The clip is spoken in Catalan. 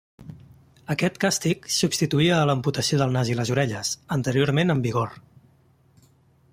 Aquest càstig substituïa a l'amputació del nas i les orelles, anteriorment en vigor.